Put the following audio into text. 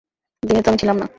দিনে তো আমি ছিলাম না।